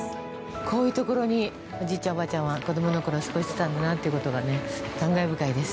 こういうところにおじいちゃん、おばあちゃんは子供のころ過ごしてたんだなということが感慨深いです。